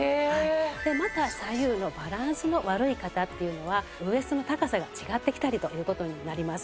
また左右のバランスの悪い方っていうのはウエストの高さが違ってきたりという事になります。